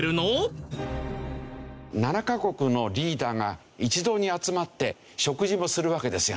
７カ国のリーダーが一堂に集まって食事をするわけですよ。